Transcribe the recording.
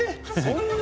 そんな？